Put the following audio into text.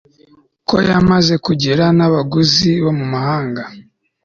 ko yamaze kugira n'abaguzi bo mu mahanga